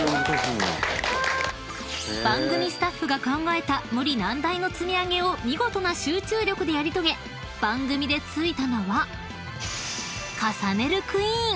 ［番組スタッフが考えた無理難題の積み上げを見事な集中力でやり遂げ番組で付いた名は］